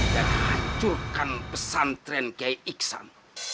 dan hancurkan pesantren kiai iksan